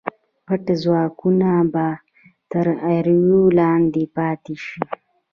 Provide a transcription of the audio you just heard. پټ ځواکونه به تر ایرو لاندې پاتې شي.